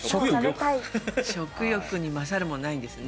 食欲に勝るものはないんですね。